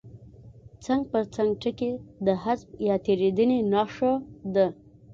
څنګ پر څنګ ټکي د حذف یا تېرېدنې نښه ده.